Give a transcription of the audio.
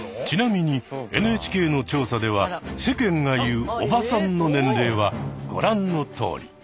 ちなみにＮＨＫの調査では世間が言う「おばさん」の年齢はご覧のとおり。